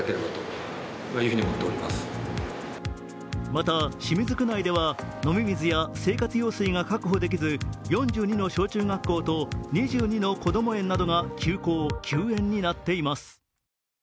また清水区内では飲み水や生活用水が確保できず４２の小中学校と２２のこども園などが休校・休園になっています。